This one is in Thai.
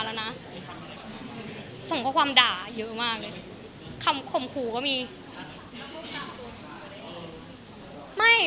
เราเป็นเครื่องสบายประโยชน์